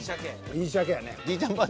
いい鮭やね。